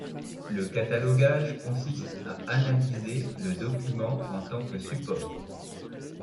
Le catalogage consiste à analyser le document en tant que support.